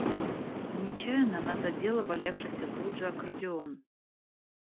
Нечаянно она задела валявшийся тут же аккордеон.